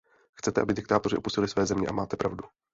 Chcete, aby diktátoři opustili své země, a máte pravdu.